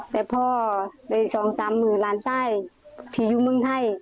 แต่พอนัดสองตามมือรหลานใจที่ยูมึงให้